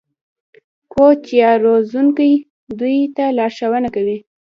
کوچ یا روزونکی دوی ته لارښوونه کوي.